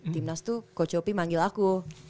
timnas tuh coach yopi manggil aku